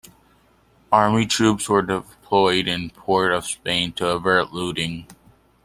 Army troops were deployed in Port of Spain to avert looting.